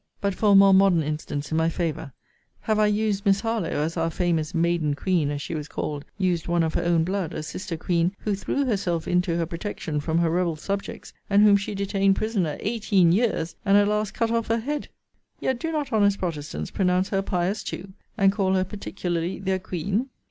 But for a more modern instance in my favour Have I used Miss Harlowe, as our famous Maiden Queen, as she was called, used one of her own blood, a sister queen, who threw herself into her protection from her rebel subjects, and whom she detained prisoner eighteen years, and at last cut off her head? Yet do not honest protestants pronounce her pious too? And call her particularly their Queen?